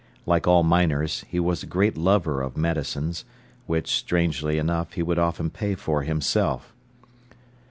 Like all miners, he was a great lover of medicines, which, strangely enough, he would often pay for himself.